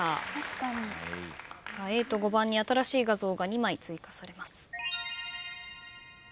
Ａと５番に新しい画像が２枚追加されます。